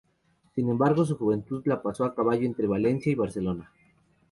Sin embargo, su juventud la pasó a caballo entre Valencia y Barcelona.